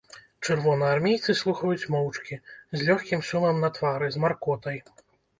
Чырвонаармейцы слухаюць моўчкі, з лёгкім сумам на твары, з маркотай.